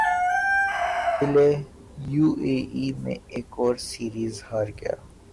قلعے U A E میں ایک اور سیریز ہار گیا